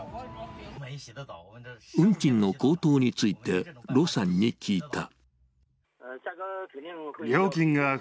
運賃の高騰について呂さんに聞いた。